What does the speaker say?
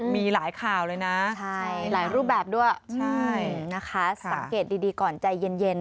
มีหลายข่าวเลยนะหลายรูปแบบด้วยใช่นะคะสังเกตดีก่อนใจเย็น